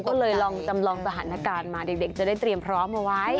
ก็เลยลองจำลองสถานการณ์มาเด็กจะได้เตรียมพร้อมเอาไว้